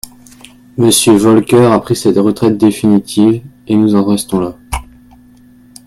Monsieur Volcker a pris sa retraite définitive, et nous en restons là.